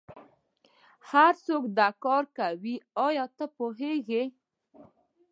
هرڅوک دا کار کوي ایا ته پوهیږې